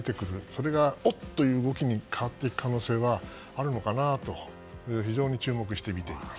それがおっという動きに変わっていく可能性はあるのかなと非常に注目して見ています。